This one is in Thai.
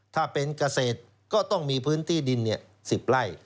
ถ้าเป็นเกษตรก็ต้องมีพื้นที่ดิน๑๐ไร่